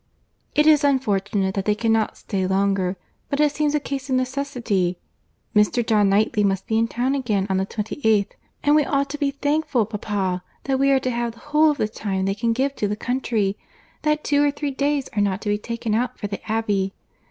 "It is unfortunate that they cannot stay longer—but it seems a case of necessity. Mr. John Knightley must be in town again on the 28th, and we ought to be thankful, papa, that we are to have the whole of the time they can give to the country, that two or three days are not to be taken out for the Abbey.